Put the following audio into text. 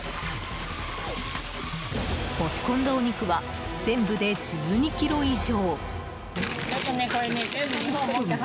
持ち込んだお肉は全部で１２ｋｇ以上。